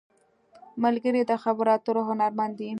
ملګری د خبرو اترو هنرمند دی